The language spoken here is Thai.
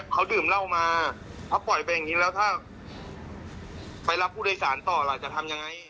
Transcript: เขาดื่มเหล้ามาเขาปล่อยไปอย่างนี้แล้วถ้าไปรับผู้โดยสารต่อล่ะจะทำยังไง